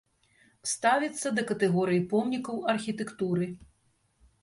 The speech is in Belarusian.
Ставіцца да катэгорыі помнікаў архітэктуры.